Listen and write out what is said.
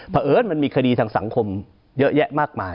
เพราะเอิญมันมีคดีทางสังคมเยอะแยะมากมาย